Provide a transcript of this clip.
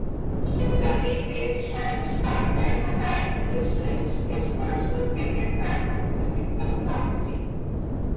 Similarly, Page has stated that this is his personal favourite track on "Physical Graffiti".